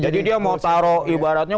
jadi dia mau taro ibaratnya